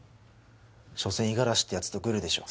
しょせん五十嵐って奴とグルでしょ。